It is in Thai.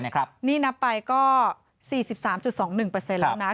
นี่นับไปก็๔๓๒๑แล้วนะ